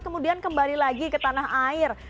kemudian kembali lagi ke tanah air